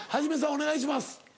お願いします。